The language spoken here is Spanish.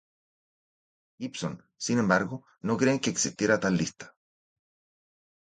Gibson, sin embargo, no cree que existiera tal lista.